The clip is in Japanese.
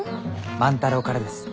万太郎からです。